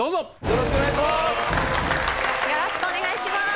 よろしくお願いします！